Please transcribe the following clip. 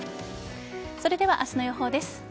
それでは明日の予報です。